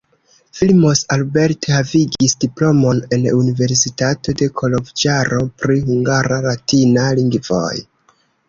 Vilmos Albert havigis diplomon en Universitato de Koloĵvaro pri hungara-latina lingvoj.